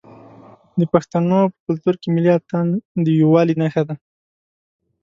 د پښتنو په کلتور کې ملي اتن د یووالي نښه ده.